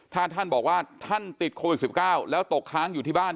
ถ้าท่านบอกว่าท่านติดโควิด๑๙แล้วตกค้างอยู่ที่บ้าน